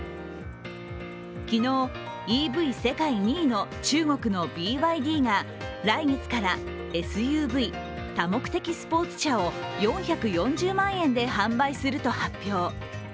昨日、ＥＶ世界２位の中国のＢＹＤが来月からＳＵＶ＝多目的スポーツ車を４４０万円で販売すると発表。